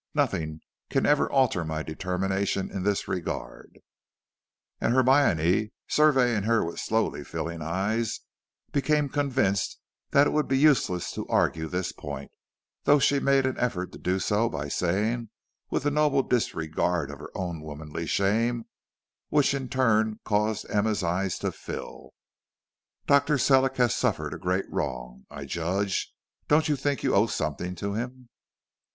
"Nothing can ever alter my determination in this regard." And Hermione, surveying her with slowly filling eyes, became convinced that it would be useless to argue this point, though she made an effort to do so by saying with a noble disregard of her own womanly shame which in its turn caused Emma's eyes to fill: "Dr. Sellick has suffered a great wrong, I judge; don't you think you owe something to him?"